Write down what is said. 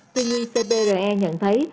tuy nhi cpre nhận thấy